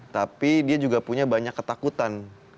tapi dia juga punya banyak ketakutan